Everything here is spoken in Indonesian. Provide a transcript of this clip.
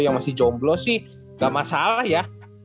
yang masih jomblo sih nggak masalah ya